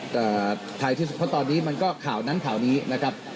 แต่ท้ายที่สุดเพราะตอนนี้มันก็ข่าวนั้นข่าวนี้นะครับ